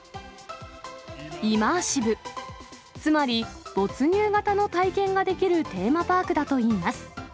イマーシブ、つまり没入型の体験ができるテーマパークだといいます。